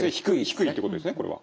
低いということですねこれは。